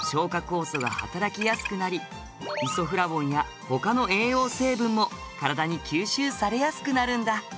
酵素が働きやすくなりイソフラボンや他の栄養成分も体に吸収されやすくなるんだ。